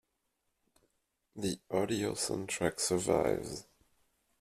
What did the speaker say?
The audio soundtrack survives.